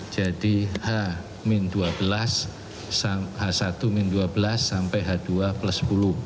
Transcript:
jadi h satu dua belas sampai h dua plus sepuluh